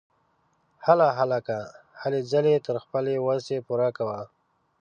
هله هلکه ! هلې ځلې تر خپلې وسې پوره کوه!